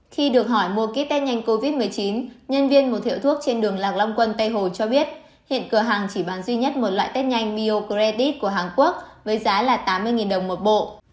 khi được hỏi mua ký test nhanh covid một mươi chín nhân viên một hiệu thuốc trên đường lạc long quân tây hồ cho biết hiện cửa hàng chỉ bán duy nhất một loại test nhanh bio credit của hàn quốc với giá là tám mươi đồng một bộ